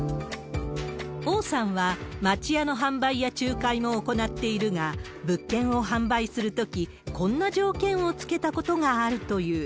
王さんは町家の販売や仲介も行っているが、物件を販売するとき、こんな条件を付けたことがあるという。